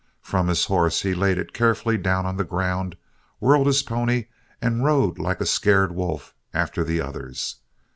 From his horse he laid it carefully down on the ground, whirled his pony, and rode like a scared wolf after the others.